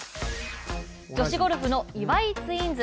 女子ゴルフの岩井ツインズ。